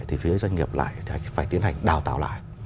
thì phía doanh nghiệp lại phải tiến hành đào tạo lại